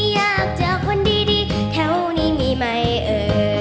อยากเจอคนดีแถวนี้มีไหมเออ